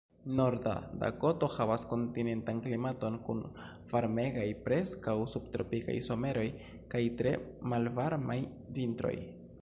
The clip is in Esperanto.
Norda Dakoto havas kontinentan klimaton kun varmegaj, preskaŭ subtropikaj someroj kaj tre malvarmaj vintroj.